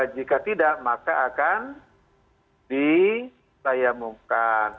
jika tidak maka akan dilayamumkan